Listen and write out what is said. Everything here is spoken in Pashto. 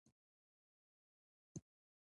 له ښځو سره دښمني، له شیعه ګانو سره مجادله.